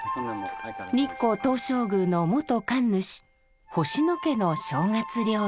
日光東照宮の元神主星野家の正月料理。